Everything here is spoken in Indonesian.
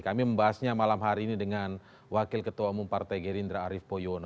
kami membahasnya malam hari ini dengan wakil ketua umum partai gerindra arief poyono